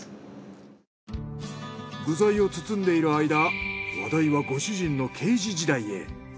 具材を包んでいる間話題はご主人の刑事時代へ。